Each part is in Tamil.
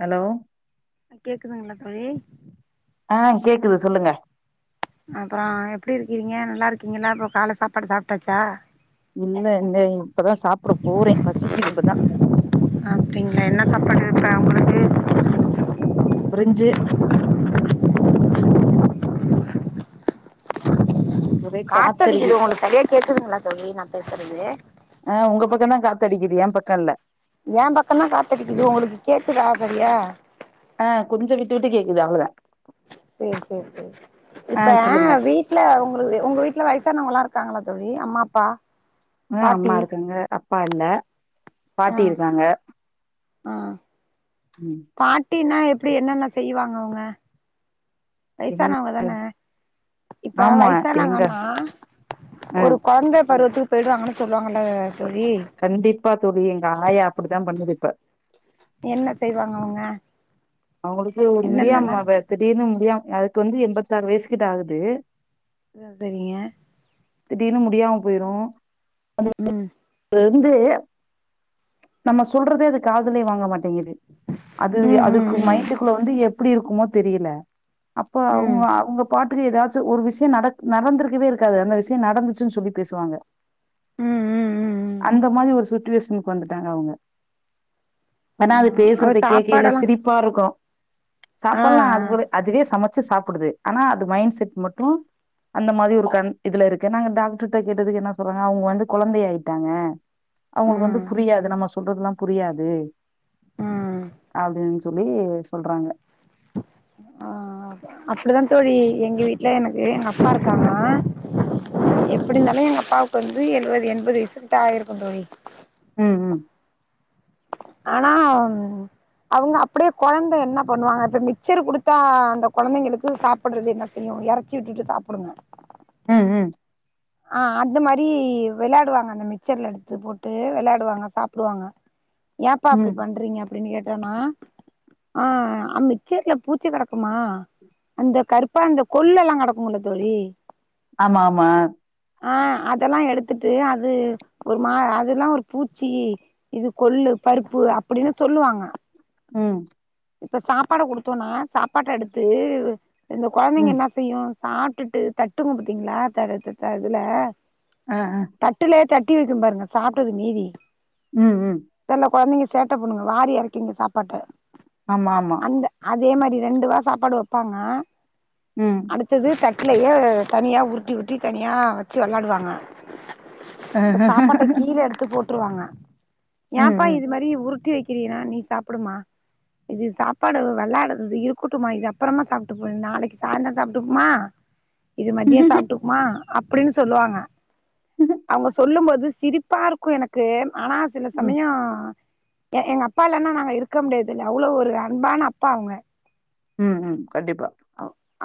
ஹலோ கேக்குதுங்களா தோழி ஆ கேக்குது சொல்லுங்க அப்புறோ எப்டி இருக்கிறீங்க நல்லா இருக்கீங்கலா அப்புறோ கால சாப்பாடு சாப்பிட்டாச்சா இல்ல இல்ல இப்பதா சாப்பிட போறே பசிக்குது இப்பதா அப்படிங்களா என்ன சாப்பாடு இப்போ உங்களுக்கு பிரிஞ்சி காத்தடிக்குது உங்களுக்கு சரியா கேட்டுகுதுங்களா தோழி நா பேசுறது ஆ உங்க பக்க தா காத்தடிக்குது ஏ பக்கோல்ல எ பக்கந்தா காத்தடிக்குது உங்களுக்கு கேக்குதா சரியா ஆ கொஞ்சு விட்டு விட்டு கேக்குது அவ்வளதா செரி செரி செரி இப்ப ஆ ஏ சொல்லுங்க வீ வீட்ல உங்க உங்க வீட்டுல வையசானவங்கல்லா இருக்காங்களா தோழி அம்மா அப்பா ஆ அம்மா பாட்டி இருக்காங்க அப்பா இல்ல ஆ பாட்டி இருக்காங்க ஆ ம் பாட்டினா எப்டி என்னென்ன செய்வாங்க அவங்க எங் வைசானவங்கதன இப்ப ஆமா எங்க வயசானவங்கன்னா ஆ ஒரு கொழந்த பருவத்து போயிடுவாங்கன்னு சொல்லுவாங்கில்ல தோழி கண்டிப்பா தோழி எங்க ஆயா அப்படித்தா பண்ணுது இப்ப என்ன செய்வாங்க அவங்க அவங்களுக்கு ஒரு முடியாம என்னென்னல்லா திடீர்னு முடியாம அதுக்கு வந்து எண்பத்தாறு வயசு கிட்ட ஆகுது அது செரிங்க திடீர்னு முடியாம போயிடு ம் இருந்து நம்ம சொல்றதேயே அது காதுலேயே வாங்க மாட்டேங்குது அது ம் அது ம் ம் வீட்டுக்குள்ள வந்து எப்படி இருக்குமோ தெரியல அப்ப ம் அவங்க அவங்க பாட் ப்ரி ஏதாச்சு ஒரு விஷியோ நட நடந்திருக்கவே இருக்காது அந்த விஷியோ நடந்துச்சுன்னு சொல்லி பேசுவாங்க ம் ம் ம் ம் அந்த மாரி ஒரு சுச்சுவேஷனுக்கு வந்துட்டாங்க அவங்க ஆனா ஆ அது அவ பேசுறத கேக்கேயில்ல சாப்பாடெல்லா சிரிப்பா இருக்கு ஆ சாப்பிட்லா ஆ அது ஒரு அதுவே சமைச்சு சாப்பிடுது ஆனா அது மைண்ட் செட் மட்டு அந்த மாரி ஒரு கண் இதுல இருக்கு நாங்க டாக்டர்கிட்ட கேட்டதுக்கு என்ன சொல்றாங்க அவங்க வந்து கொழந்தே ஆயிட்டாங்க அவங்களுக்கு வந்து ம் புரியாது நம்ம சொல்றதுல்லா புரியாது ம் அப்படின்னு சொல்லி சொல்றாங்க ஆ அப்படிதா தோழி எங்க வீட்டுல எனக்கு எங்க அப்பா இருக்காங்க எப்டி இருந்தாலு எங்க அப்பாவுக்கு வந்து எழுவது எண்பது வயசா ஆயிருக்கோ தோழி ம் ம் ஆனா அவங்க அப்டியே குழந்த என்ன பண்ணுவாங்க இப்ப மிக்சர் கொடுத்தா அந்த குழந்தைங்க எப்படி சாப்ப படறது என்ன செய்யு இறச்சி விட்டுட்டு சாப்டுங்க அ அ ஆ அந்த மாரி வெளாடுவாங்க அந்த மிக்சர்ல எடுத்து போட்டு வெளாடுவாங்க சாப்டுவாங்க ஏப்பா ம் அப்டி பண்றீங்க அப்படின்னு கேட்டோனா ஆ அ மிச்சர்ல பூச்சி கடக்குமா அந்த கருப்பா அந்த கொல்லு எல்லா கடக்கும்ல தோழி ஆமா ஆமா ஆ அதல்லா எடுத்துட்டு அது ஒரு மா அதல்லா ஒரு பூச்சி இது கொள்ளு பருப்பு அப்டின்னு சொல்லுவாங்க ம் இப்ப சாப்பாடு கொடுத்தோம்னா சாப்பாட்ட எடுத்து கொழந்தைங்க ம் என்ன தயும் சாப்ட்டுட்டு தட்டு குடுப்பீங்களா இட் இதுல ஆ ஆ தட்டுலேயே தட்டி வைக்கும் பாருங்க சாப்ட்டது மீதி ம் ம் சில குழந்தைங்க சேட்ட பண்ணுங்க வாரி இறக்குங்க சாப்பாட்ட ஆமா ஆமா அதே மாரி ரெண்டு வா சாப்பாடு வப்பாங்க ம். அடுத்தது வீட்டுலயே தனியா உருட்டி உருட்டி தனியா வச்சு வெளாடுவாங்க ம், இப்ப சாப்பாட்ட கீழ எடுத்து போட்டுருவாங்க ஏப்பா இது ம். மாரி உருட்டி வக் கிறீனா நீ சாப்பிடுமா இது சாப்பாட விளாடுறது இருக்கட்டும்மா இது அப்றமா போ நாளைக்கு சாயந்தரம் சாப்ட்டுக்குவோமா இது மத்யம் சாப்ட்டுப்போமா அப்டின்னு சொல்லுவாங்க அவங்க சொல்லும்போது சிரிப்பா இருக்கு எனக்கு ஆனா சில ம், சமயம் எங்க அப்பா இல்லன்னா நாங்க இருக்க முடியாது இல் அவ்வளவு ஒரு அன்பான அப்பா அவங்க ம் ம் கண்டிப்பா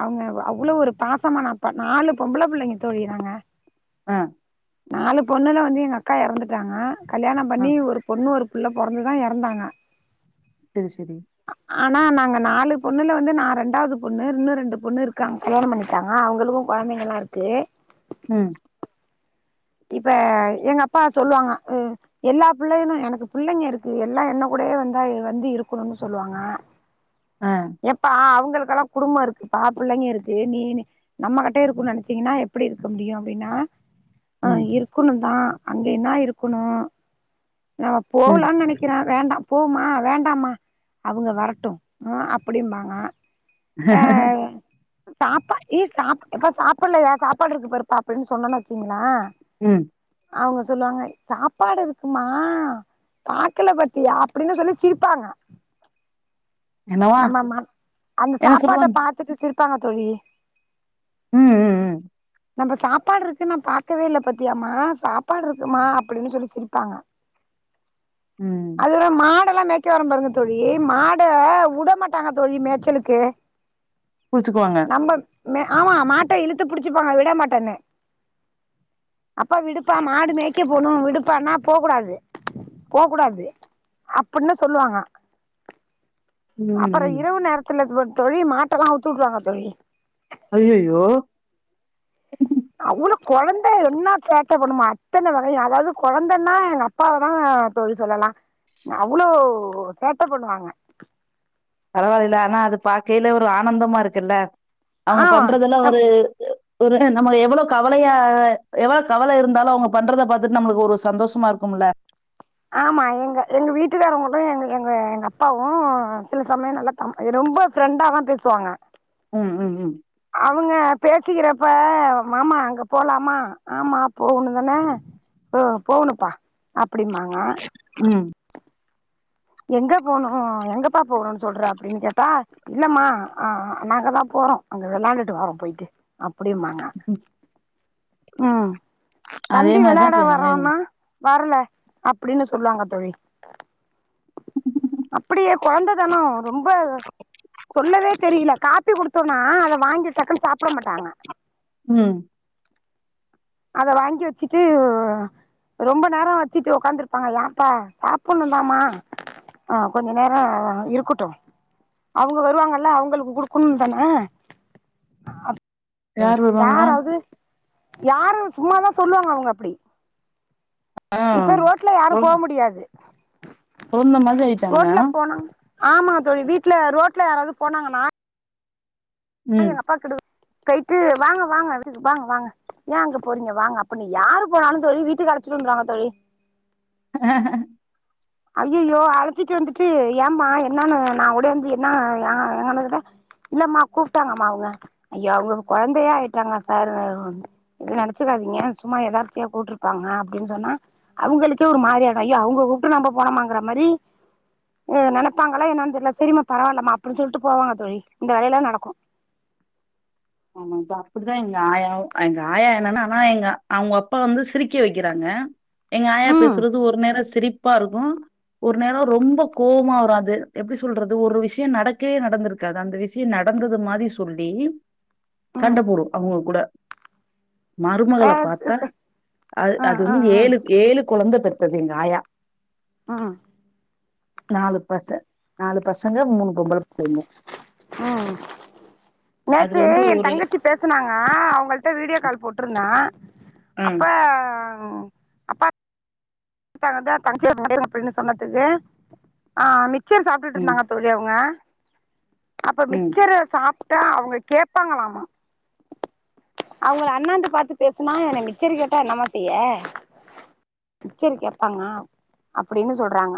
அவங்க அவ்ள ஒரு பாசமான நாலு பொம்பள புள்ளைங்க தோழி நாங்க ஆ நாலு பெண்ணுல வந்து எங்க அக்கா எறந்துட்டாங்க கல்யாணம் ஆ. பண்ணி ஒரு பொண்ணு ஒரு புள்ள பொறந்துதா எறந்தாங்க டே சரி ஆனா நாங்க நாலு பொண்ணுல வந்து நா ரெண்டாவது பொண்ணு இன்னும் ரெண்டு பொண்ணு இருக்காங்க கல்யாணம் பண்ணிட்டாங்க அவங்களுக்கும் கொழந்தைகள்லா இருக்கு ம் இப்ப எங்க அப்பா சொல்லுவாங்க ம் எல்லா பிள்ளைங்களும் எனக்கு பிள்ளைங்க இருக்கு எல்லா என்ன கூடயே வந்தா வந்து இருக்கணும்னு சொல்லுவாங்க ஆ எப்பா அவங்களுக்கெல்லா குடும்பம் இருக்குப்பா பிள்ளைங்க இருக்கு நீ நம்ம கிட்ட இருக்கனு நனச்சீங்கன்னா எப்டி இருக்க முடியும் அப்டின்னா அ ம், இருக்கணும் தா அங்க என்ன இருக்கணும் நம்ம ம். போலானு நெனைக்கறே வேண்டா போமா வேண்டாமா அவுங்க வரட்டு உ அப்டிம்பாங்க ஆ சாப்பா ஏய் சா இப்ப சாப்புட்லயா சாப்பாடு இருக்கு பாருப்பா அப்டின்னு சொன்னேன்னு வெச்சுகுங்களா ம் அவங்க சொல்லுவாங்க சாப்பாடு இருக்குமா பாக்கல பத்தியா அப்டின்னு சொல்லி சிரிப்பாங்க என்னவா? நம்ம மம் அந்த என்ன சாப்பாட்ட சொல்லுவாங்க? பாத்துட்டு சிரிபாங்க தோழி ம் ம் ம் நம்ம சாப்பாடு இருக்கு நா பா பாக்கவேல பத்தியாமா சாப்பாடு இருக்குமா அப்டின்னு சொல்லி சிரிப்பாங்க ம். அதுர மாடெல்லா மேய் க்கரம் பாருங்க தோழி மாட உட மாட்டாங்க தோழி மேச்சலுக்கு புடுச்சுக்குவாங்க நம்ப ஆமா மாட்ட இழுத்து புடுச்சுப்பாங்க விட மாட்டன்னு அப்பா விடுப்பா மாடு மேய்க்க போனு விடுப்பான்னா போ கூடாது போ கூடாது அப்புன்னு சொல்லுவாங்க ம், அப்பறோ ம். இரவு நேரத்துல தோழி மாட்டல்லா அவுத்துட்ருவாங்க தோழி அய்யய்யோ அவ்ளோ கொழந்த என்னா சேட்ட பண்ணுமா அத்தன வகயு அதாது கொழந்தன்னா எங்க அப் அப்பாவதா தோழி சொல்லலா அவ்ளோ சேட்ட பண்ணுவாங்க பரவாயில்லலே ஆனா அது பாக்கையில ஒரு ஆனந்தமா இருக்குல்ல ஆ அவுங்க பண்றதெல்லா ஒரு ஒரு நம்ம எவ்ளோ கவலையா எவ்ளோ கவல இருந்தாலு அவுங்க பண்றத பாத்துட்டு நம்மளுக்கு ஒரு சந்தோஷமா இருக்கும்ல ஆமா எங்க எங்க வீட்டுக்காரவங்களு எங்க எங்க எங்க அப்பாவு சில சமயோ நல்லா அம் ரொம்ப ஃப்ரெண்டா தா பேசுவாங்க ம் ம் ம் அவங்க பேசிகிறப்ப மாமா அங்க போலாமா ஆமா போகணு தான அ போண்ணுப்பா அப்டிம்பாங்க ம் எங்க போனு எங்கப்பா போகனுனு சொல்ற அப்டின்னு கேட்டா இல்லமா அ நாங்கதா போறோ அங்க விளாண்டுட்டு வரோ போயிட்டு அப்டிம்பாங்க ம் ம் தம்பி மாரி தான் வெளாட இப்ப எங்க வரான்னா வர்ல அப்டின்னு சொல்லுவாங்க தோழி அப்டியே கொழந்த தனோ அவ ரொம்ப சொல்லவேத் தெரியல காப்பி குடுத்தோன்னா அத வாங்கி டக்குன்னு சாப்ட மாட்டாங்க ம் அத வாங்கி வெச்சுட்டு ரொம்ப நேரோ வெச்சிட்டு ஒக்காந்துருப்பாங்க ஏம்ப்பா சாப்புன்னுதாமா அ கொஞ்ச நேரோ இருக்கட்டு அவுங்க வருவாங்கல்ல அவுங்களுக்கு குடுக்கணு தான யார் அப் வருவாங்க யாராது யாரு சும்மாதா சொல்லுவாங்க அவுங்க அப்டி ஆ இப்ப ரோட்ல யாரு கொழ போ முடியாது கொழந்த மாதிரி ஆயிட்டாங்க ரோட்ல போனா ஆமா தோழி வீட்ல ரோட்ல யாராவது போனாங்கன்னா நானு ம் எங்க அப்பா கூட போய்ட்டு வாங்க வாங்க வீட்டுக்கு வாங்க வாங்க ஏ அங்க போறீங்க வாங்க அப்புன்னு யாரு போனாலு தோழி வீட்டுக்கு அழச்சுன்னு வந்துரு வாங்க தோழி ஐயய்யோ அழச்சிட்டு வந்துட்டு ஏம்மா என்னான்னு நா ஓடி வந்து என்ன எ எங்கன்னு கேட்டா இல்லமா கூப்ட்டாங்கம்மா அவுங்க ஐயோ அவுங்க கொழந்தையா ஆயிட்டாங்க சார் எது நெனச்சிக்காதீங்க சும்மா எதார்ச்சையா கூப்ட்டுருப்பாங்க அப்டின் சொன்னா அவுங்களுக்கே ஒரு மாரி ஆயிடோ ஐயோ அவுங்க கூப்ட்டு நம்ப போனோமாங்கிற மாரி எ நெனப்பாங்கல்லா என்னான்னத் தெர்ல சரிமா பரவால்லமா அப்டின்னு சொல்ட்டு போவாங்க தோழி இந்த வேலையெல்லா நடக்கோ ஆமா அப்டிதா எங்க ஆயாவு எங்க ஆயா என்னன்னா ஆனா எங்க அவுங்க அப்பா வந்து சிரிக்க வெக்கிறாங்க எங்க ஆயா ம் பேசுறது ஒரு நேரோ சிரிப்பா இருக்கோ ஒரு நேரோ ரொம்ப கோவமா வரோ அது எப்டி சொல்றது ஒரு விஷயோ நடக்கவே நடந்துரு க்காது அந்த விசயோ நடந்தது மாரி சொல்லி ம் சண்டப் போடு அவுங்க கூட ஆ மருமகளப் பாத்தா அ அது ம் வந்து ம் ம் ஏழு ஏழு கொழந்தப் பெத்தது எங்க ஆயா அ நாலு பச நாலு பசங்க மூணு பொம்பளப் புள்ளைங்க ஹு நேத்து அதுல வந்து என் ஒரு தங்கச்சீ பேசனாங்க அவங்கள்ட்ட வீடியோ கால் போட்டருந்தே அப்ப ம் ஆ இந்த தங்கச்சி [unintelligible] அப்டின்னு சொன்னதுக்கு ஆ மிக்சர் சாப்ட்டு ம், இருந்தாங்க தோழி அவங்க அப்ப ம். மிச்சரு சாப்ட்டா அவங்க கேப்பாங்களாமா அவங்கள அண்ணாந்து பாத்து பேசுனா என்ன மிச்சரு கேட்டா என்னமா செய்ய மிச்சரு கேப்பாங்க அப்புடின்னு சொல்றாங்க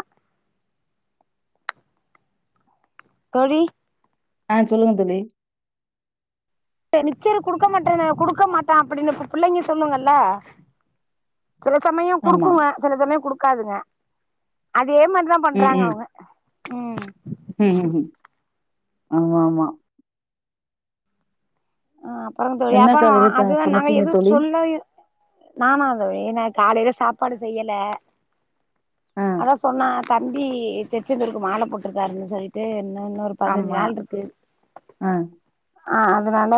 தோழி ஆ சொல்லுங்க தோழி மிச்சனு குடுக்க மாட்டன்னு குடுக்க மாட்ட அப்படின்னு இப்ப பிள்ளைங்க சொல்லுங்கல்ல சில சமயோ ஆமா. குடுக்குங்க சில சமயோ குடுக்காதுங்க அதே மாரிதா ம், பண்றாங்க ம். அவங்க ம் ஆமா ஆமா அ அப்புறங்க தோழி என்ன அப்புற காலையில ச அதுதா நாங்க சமைச்சீங்க எதுவு தோழி? சொல்லயு நானா தோழி நா காலையில சாப்பாடு செய்யல ஆ. அதா சொன்ன தம்பி திருச்செந்துருக்கு மாலை போட்டிருக்காருன்னு சொல்லிட்டு இன்னு இன்னொரு பதினஞ்சு ஆமா. நாள் இருக்கு ஆ. ஆ அத னால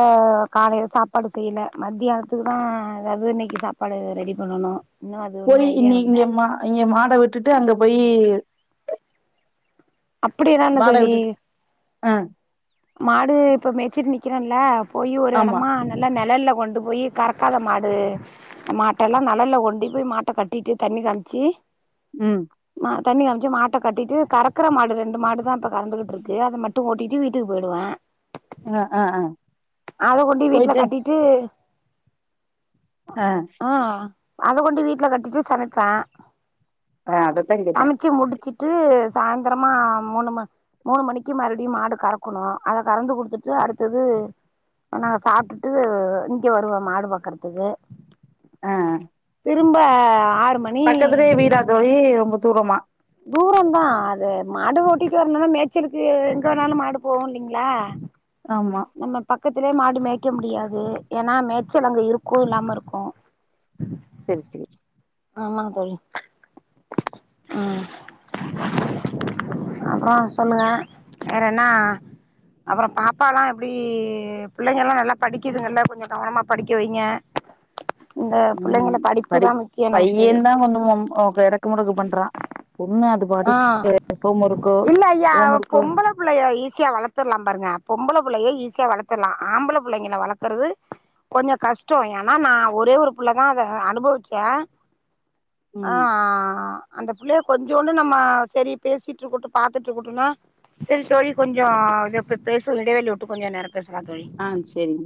காலையில சாப்பாடு செய்யல மத்தியானத்துக்கு தா ஏதாவது இன்னிக்கு சாப்பாடு ரெடி பண்ணணு இன்னு அது ஒன்னு செரி ஐடியா இனி இல்ல இங்க மா இங்க மாட விட்டுட்டு அங்க போயி அப்புடிஎல்லா இல்ல மாட தோழி விட்டுட்டு ஆ, மாடு இப்ப மேய்சிட்டு நிக்கிறல்ல போயி ஒரு ஆமா. எடமா நல்லா நெழல்ல கொண்டு போயி கறக்காத மாடு மாட்ட எல்லா நெழல்ஷ கொண்டி போயி மாட்ட கட்டிட்டு தண்ணி காம்ச்சி ம் தண்ணி காம்ச்சு மாட்ட கட்டிட்டு கறக்கற மாடு ரெண்டு மாடுதான இப்ப கறந்துகிட்டு இருக்கு அத மட்டு ஓட்டிட்டு வீட் டுக்கு போய்டுவ அ, அ, அ. அத கொண்டு போய் வீட்டுல போயிட்டு கட்டிட்டு ஆ ஆ அத கொண்டு போய் வீட்டுல கட்டிட்டு சமைப்ப ஆ, அதத்தான் கேட்டேன். சமைச்சி முடிச் சிட்டு சாயந்திரமா மூணு ம மூணு மணிக்கு மறுப்டியு மாடு கறக்கணு அத கறந்து குட்த்துட்டு அடுத்தது நாங்க சாப்ட்டுட்டு இங்க வருவோ மாடு பாக்கர்த்துக்கு ஆ திரும்ப ஆறு மண் பக்கத்துலேயே வீடா தோழி ரொம்ப தூரோமா தூரந்தா அது மாடு ஓட்டிட்க்கா வர்னோனா மேச்சிருக்கு எங்க வேணாலு மாடு போகோ இல்லிங்ளா ஆமா நம்ம பக்கத்துலே மாடு மேய்க்க முடியாது ஏனா மேய்ச்சல் அங்க இருக்கும் இல்லாம இருக்கும் உம் செரி சேரி ஆமாங் தோழி ம் அப்றோ சொல்லுங்க வேறென்னா அப்புறோ பாப்பால்லா எப் ப்டி புள்ளைங்கல்லா நல்லா படிக்குதுங்கல்ல கொஞ்சோ கவனமா படிக்க வைங்க இந்த உம் பிள்ளைங்கள படிப்புதா படிப் முக்கியோ நமக்கு பையேன்தா கொஞ்சோ ரொம் ஒ எடக் க்கு முடக்கு பண்றான் பொண்ணு அதுக் இல்ல ஐயா அவ ஹோம் ஒர்க்கோ பொம்பளப் புள்ளய ஈஸியா வளத்துல்லா பாருங்க பொம்பள புள்ளய ஈஸியா வளத்துல்லா ஆம்பள புள்ளங்கின வளக்கர்து கொஞ்சோ கஷ்டோ ஏனா நா ஒரே ஒரு புள்ளதா அத அனுபவிச்சே ஆ ம். ஆ அந்த புள்ளைய கொஞ்சோண் டு நம்ம செரி பேசிட்ருக்குட்டோ பாத்துட்ருக்குட்டோன்னா செரி தோழி கொஞ்சோ இதோ இப்ப பேஸ்வோ இடைவெளி விட்டு கொஞ்சோ நேரோ பேசலா தோழி ஆ செரிங்க